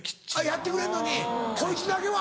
やってくれんのにこいつだけは？